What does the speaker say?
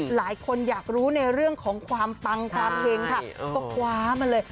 หลายคนอยากรู้ในเรื่องของความปังความเห็งค่ะก็คว้ามาเลย